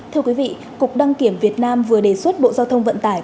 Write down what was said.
thưa quý vị cục đăng kiểm việt nam vừa đề xuất bộ giao thông vận tải